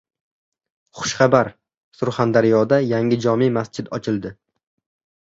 Xushxabar: Surxondaryoda yangi jome masjid ochildi